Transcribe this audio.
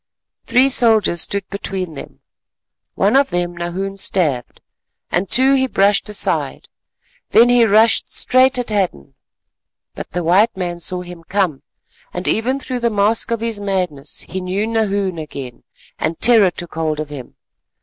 Three soldiers stood between them, one of them Nahoon stabbed, and two he brushed aside; then he rushed straight at Hadden. But the white man saw him come, and even through the mask of his madness he knew Nahoon again, and terror took hold of him.